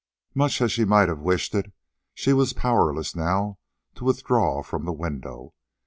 Much as she might have wished it, she was powerless now to withdraw from the window.